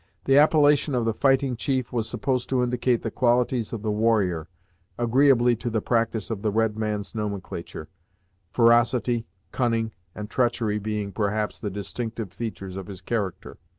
The appellation of the fighting chief was supposed to indicate the qualities of the warrior, agreeably to a practice of the red man's nomenclature, ferocity, cunning and treachery being, perhaps, the distinctive features of his character.